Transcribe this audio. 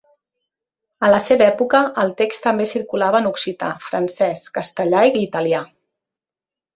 A la seva època el text també circulava en occità, francès, castellà i italià.